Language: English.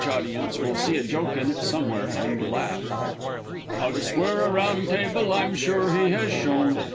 audience will see a joke in it somewhere, and laugh._) 'Ow to square a round table I'm sure he has shown.